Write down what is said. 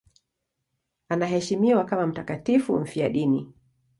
Anaheshimiwa kama mtakatifu mfiadini.